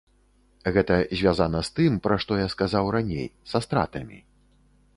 Гэта звязана з тым, пра што я сказаў раней, са стратамі.